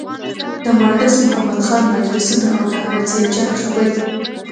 د مانډس محمد خان مجلسونه او د احمد ضیا جان خبرې.